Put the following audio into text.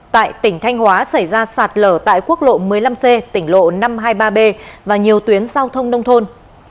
tại tỉnh thanh hóa xảy ra sạt lở tại quốc lộ một mươi năm c tỉnh lộ năm trăm hai mươi ba b và nhiều tuyến giao thông nông thôn